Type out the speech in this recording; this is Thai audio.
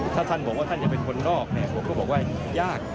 ถ้าท่านบอกว่าท่านจะเป็นคนนอกเนี่ยผมก็บอกว่ายาก